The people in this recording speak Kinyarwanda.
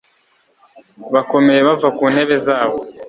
bakomeye bava ku ntebe zabo